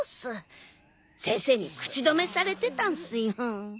先生に口止めされてたんすよ。